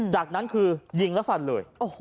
จากนั้นคือยิงแล้วฟันเลย